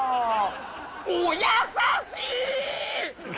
お優しい！